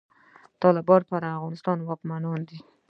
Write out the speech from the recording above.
طالبان پر افغانستان واکمن دی.